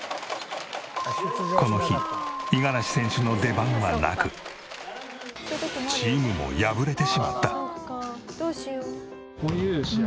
この日五十嵐選手の出番はなくチームも敗れてしまった。